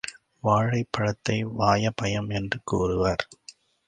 வாழப்பழத்தை—வாயப்பயம் என்று கூறுவர்.